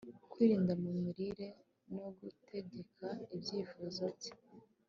Kwirinda mu mirire no gutegeka ibyifuzo byose